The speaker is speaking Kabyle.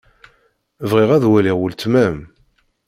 Bɣiɣ ad waliɣ weltma-m.